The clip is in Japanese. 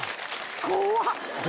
怖っ！